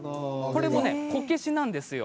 これも、こけしなんですよ。